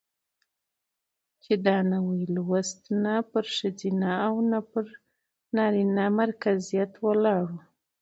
چې دا نوى لوست نه پر ښځينه او نه پر نرينه مرکزيت ولاړ و،